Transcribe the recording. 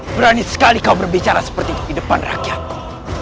berani sekali kau berbicara seperti di depan rakyatku